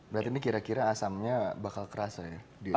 berarti ini kira kira asamnya bakal terasa ya